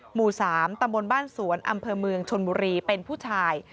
หมู่๓ตำบลบ้านสวนอำเภอเมืองชนบุรีเป็นผู้ชาย